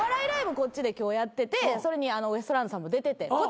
こっちで今日やっててそれにウエストランドさんも出ててこっち